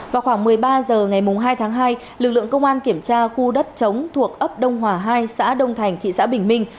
vào khoảng một mươi ba h ngày hai tháng hai lực lượng công an kiểm tra khu đất chống thuộc ấp đông hòa hai xã đông thành thị xã bình minh